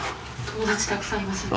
友達たくさんいますね。